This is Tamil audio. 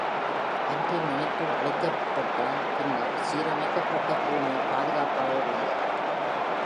Anti-Monitor அழிக்கப்பட்டப் பின்னர், சீரமைக்கப்பட்ட பூமி பாதுகாப்பாக உள்ளது.